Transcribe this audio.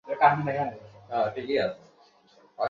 তোমার নতুন কোন খবর?